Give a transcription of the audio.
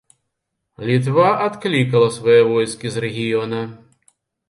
Літва адклікала свае войскі з рэгіёна.